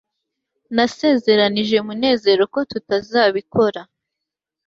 nasezeranije munezero ko tutazabikora